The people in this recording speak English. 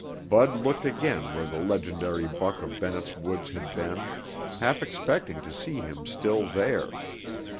Bud looked again where the legendary buck of Bennett's Woods had been, half expecting to see him still there.